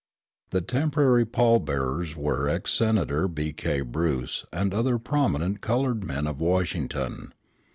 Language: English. The temporary pall bearers were ex Senator B. K. Bruce and other prominent colored men of Washington.